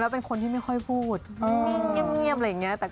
แล้วเป็นคนที่ไม่ค่อยพูดเงียบอะไรอย่างเอง